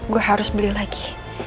gue harus beli lagi